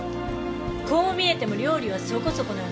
こう見えても料理はそこそこなんで。